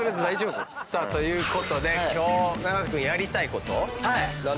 さあということで今日永瀬君やりたいこと何ですか？